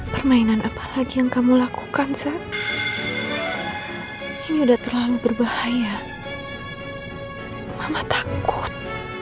permainan apalagi yang kamu lakukan seth ini udah terlalu berbahaya mama takut